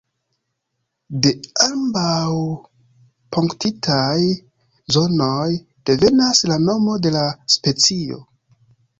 De ambaŭ punktitaj zonoj devenas la nomo de la specio.